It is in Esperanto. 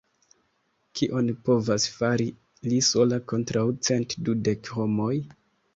Kion povas fari li sola kontraŭ cent dudek homoj?